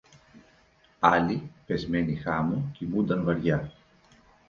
Άλλοι, πεσμένοι χάμω, κοιμούνταν βαριά